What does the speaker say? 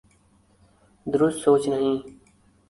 درست سوچ نہیں۔